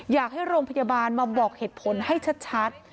อยากให้โรงพยาบาลมาบอกเหตุผลให้ชัด